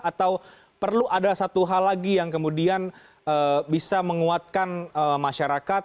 atau perlu ada satu hal lagi yang kemudian bisa menguatkan masyarakat